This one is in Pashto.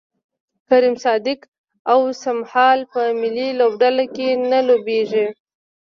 کریم صادق اوسمهال په ملي لوبډله کې نه لوبیږي